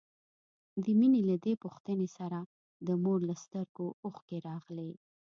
د مينې له دې پوښتنې سره د مور له سترګو اوښکې راغلې.